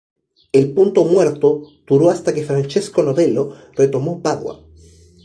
El punto muerto duró hasta que Francesco Novello retomó Padua.